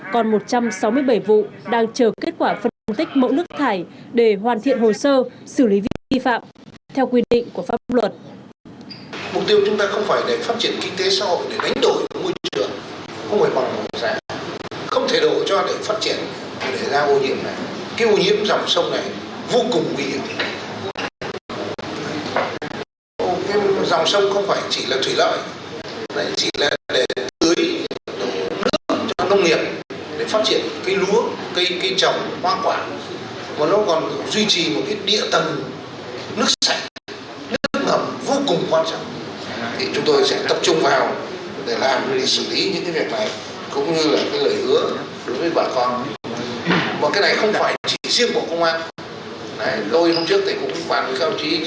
còn một trăm sáu mươi bảy vụ đang chờ kết quả phân tích mẫu nước thải để hoàn thiện hồ sơ xử lý vi phạm theo quy định của pháp luật